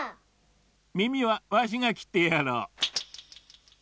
みみはわしがきってやろう。